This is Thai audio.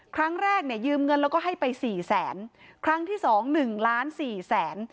ครั้งแรกเนี่ยยืมเงินแล้วก็ให้ไปสี่แสนครั้งที่สองหนึ่งล้านสี่แสน